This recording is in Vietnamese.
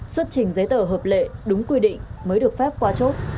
xuất trình giấy tờ hợp lệ đúng quy định mới được phép qua chốt